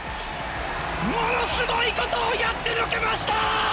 ものすごいことをやってのけました。